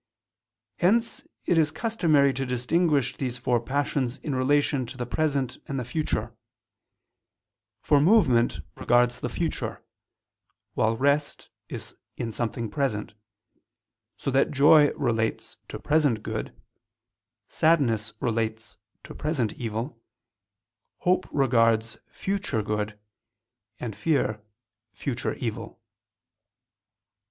Hence it is customary to distinguish these four passions in relation to the present and the future: for movement regards the future, while rest is in something present: so that joy relates to present good, sadness relates to present evil; hope regards future good, and fear, future evil.